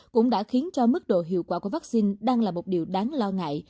cũng đã khiến cho mức độ hiệu quả của vaccine đang là một điều đáng lo ngại